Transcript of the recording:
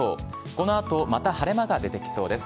このあとまた晴れ間が出てきそうです。